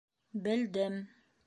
Белдем.